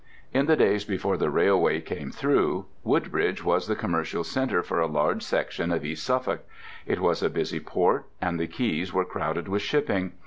In the days before the railway came through, Woodbridge was the commercial centre for a large section of East Suffolk; it was a busy port, and the quays were crowded with shipping.